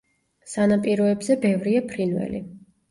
სანაპიროებზე ბევრია ფრინველი.